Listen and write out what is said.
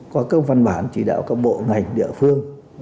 có các văn bản chỉ đạo các bộ ngành địa phương